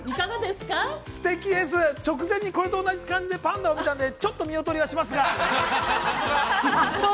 ◆すてきです、直前にこれと同じ感じでパンダを見たんで、ちょっと見劣りがしますが。